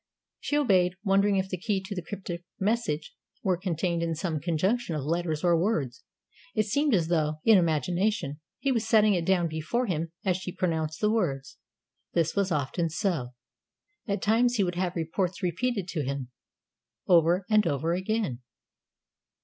She obeyed, wondering if the key to the cryptic message were contained in some conjunction of letters or words. It seemed as though, in imagination, he was setting it down before him as she pronounced the words. This was often so. At times he would have reports repeated to him over and over again.